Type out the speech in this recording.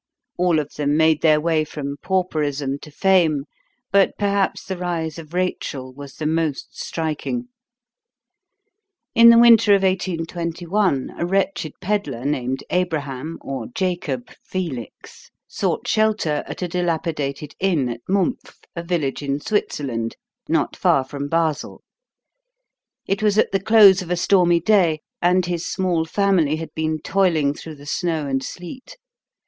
All of them made their way from pauperism to fame; but perhaps the rise of Rachel was the most striking. In the winter of 1821 a wretched peddler named Abraham or Jacob Felix sought shelter at a dilapidated inn at Mumpf, a village in Switzerland, not far from Basel. It was at the close of a stormy day, and his small family had been toiling through the snow and sleet.